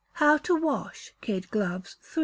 How to Wash Kid Gloves (3).